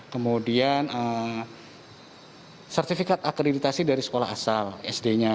kemudian sertifikat akreditasi dari sekolah asal sd nya